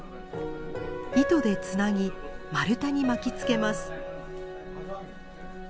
糸でつなぎ丸太に巻きつけます。